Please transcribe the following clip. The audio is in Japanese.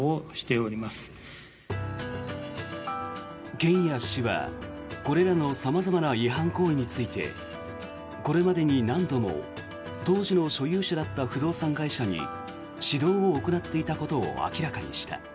県や市はこれらの様々な違反行為についてこれまでに何度も当時の所有者だった不動産会社に指導を行っていたことを明らかにした。